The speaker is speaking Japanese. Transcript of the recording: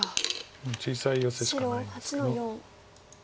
もう小さいヨセしかないんですけど。